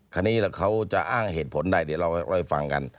คราวนี้เขาจะอ้างเหตุผลใดเดี๋ยวเราไปฟังกัน